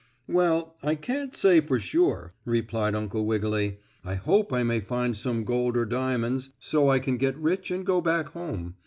"Well, I can't say for sure," replied Uncle Wiggily. "I hope I may find some gold or diamonds, so I can get rich and go back home.